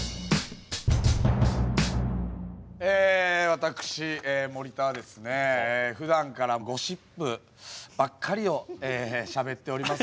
え私森田はですねふだんからゴシップばっかりをしゃべっております。